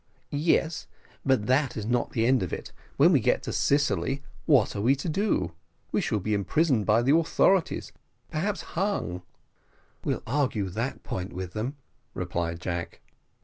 "Yes, but that is not the end of it; when we get to Sicily what are we to do? we shall be imprisoned by the authorities perhaps hung." "We'll argue that point with them," replied Jack.